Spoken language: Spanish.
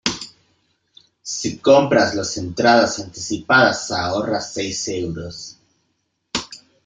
Si compras las entradas anticipadas ahorras seis euros.